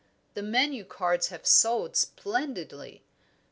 The menu cards have sold splendidly.